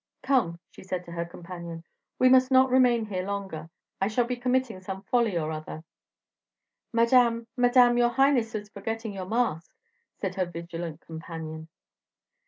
"Come," she said to her companion, "we must not remain here any longer; I shall be committing some folly or other." "Madame, Madame, your highness is forgetting your mask!" said her vigilant companion.